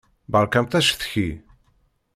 Beṛkamt acetki.